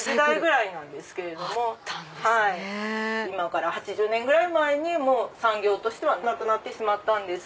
今から８０年ぐらい前に産業としてはなくなったんです。